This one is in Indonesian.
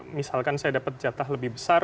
misalkan saya dapat jatah lebih besar